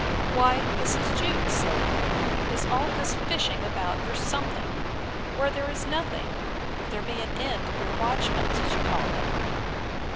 Why, Mrs. Jewkes, said I, is all this fishing about for something, where there is nothing, if there be an end of your watchments, as you call them?